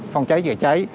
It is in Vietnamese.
phòng cháy chữa cháy